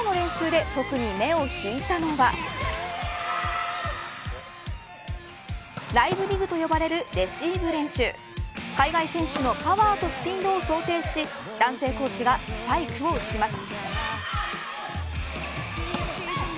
初戦のペルー戦へ向け今日の練習で特に目を引いたのはライブディグと呼ばれるレシーブ練習海外選手のパワーとスピードを想定し男性コーチがスパイクを打ちます。